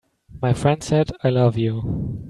My friend said: "I love you.